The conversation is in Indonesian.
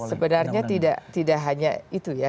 sebenarnya tidak hanya itu ya